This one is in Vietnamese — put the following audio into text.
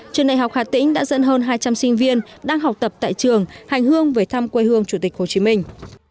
trường đại học hà tĩnh đã dẫn hơn hai trăm linh sinh viên đang học tập tại trường hành hương về thăm quê hương chủ tịch hồ chí minh